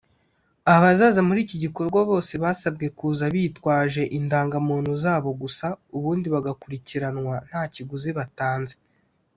Abazaza muri iki gikorwa bose basabwe kuza bitwaje indangamuntu zabo gusa ubundi bagakurikiranwa nta kiguzi batanze